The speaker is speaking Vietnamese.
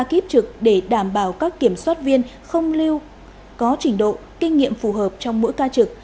đồng thời ra soát bố trí ca kiếp trực để đảm bảo các kiểm soát viên không lưu có trình độ kinh nghiệm phù hợp trong mỗi ca trực